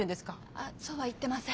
あそうは言ってません。